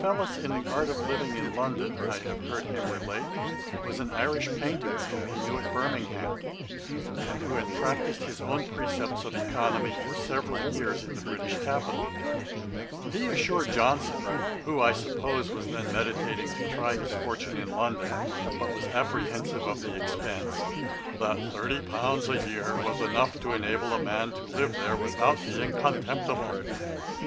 ] His Ofellus in the Art of Living in London, I have heard him relate, was an Irish painter, whom he knew at Birmingham, and who had practised his own precepts of oeconomy for several years in the British capital. He assured Johnson, who, I suppose, was then meditating to try his fortune in London, but was apprehensive of the expence, 'that thirty pounds a year was enough to enable a man to live there without being contemptible.